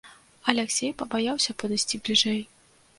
Аляксей пабаяўся падысці бліжэй.